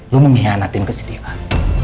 lo mengkhianatin kesetihan